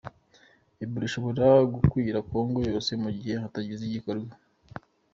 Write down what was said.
Ebola ishobora gukwira kongo yose mu gihe hatagize igikorwa